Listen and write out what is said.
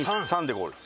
１２３でゴール？